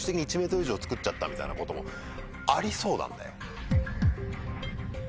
作っちゃったみたいなこともありそうなんだよ。